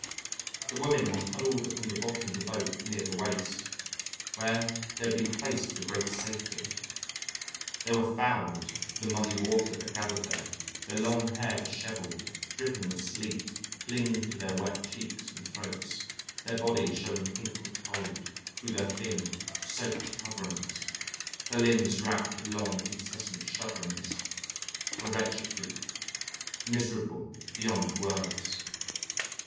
The women were huddled upon the bottom of the boat near the waist, where they had been placed for greater safety. They were fouled with the muddy water that gathered there, their long hair dishevelled, dripping with sleet, clinging to their wet cheeks and throats, their bodies showing pink with cold, through their thin, soaked coverings, their limbs racked with long incessant shudderings, a wretched group, miserable beyond words.